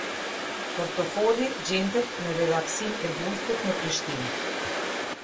Portofoli gjendet në redaksinë e Bujkut në Prishtinë.